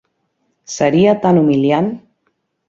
Seria tan humiliant.